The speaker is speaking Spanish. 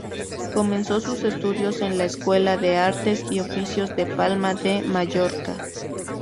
Comenzó sus estudios en la Escuela de Artes y Oficios de Palma de Mallorca.